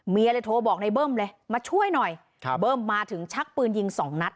เลยโทรบอกในเบิ้มเลยมาช่วยหน่อยครับเบิ้มมาถึงชักปืนยิงสองนัด